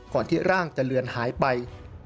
ที่ร่างจะเลือนหายไป